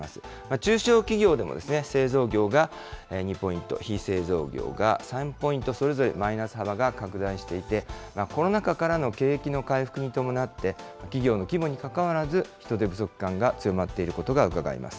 中小企業でも製造業が２ポイント、非製造業が３ポイント、それぞれマイナス幅が拡大していて、コロナ禍からの景気の回復に伴って、企業の規模にかかわらず、人手不足感が強まっていることがうかがえます。